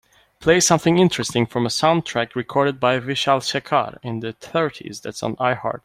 Play something interesting from a soundtrack recorded by Vishal-shekhar in the thirties that's on Iheart